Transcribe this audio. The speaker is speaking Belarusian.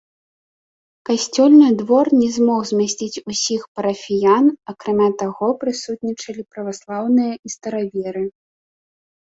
Касцёльны двор не змог змясціць усіх парафіян, акрамя таго прысутнічалі праваслаўныя і стараверы.